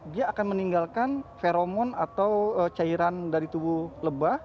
dia akan meninggalkan feromon atau cairan dari tubuh lebah